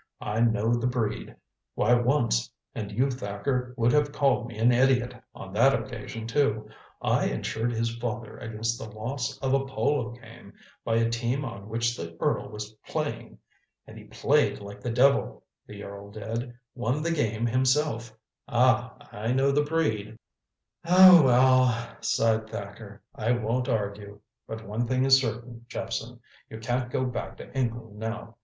I know the breed. Why, once and you, Thacker, would have called me an idiot on that occasion, too I insured his father against the loss of a polo game by a team on which the earl was playing. And he played like the devil the earl did won the game himself. Ah, I know the breed." "Oh, well," sighed Thacker, "I won't argue. But one thing is certain, Jephson. You can't go back to England now.